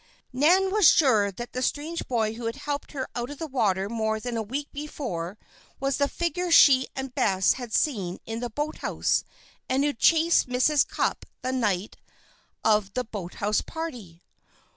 Nan was sure that the strange boy who had helped her out of the water more than a week before, was the figure she and Bess had seen in the boathouse, and who had chased Mrs. Cupp the night of the boathouse party.